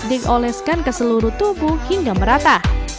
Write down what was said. dioleskan ke seluruh tubuh hingga merata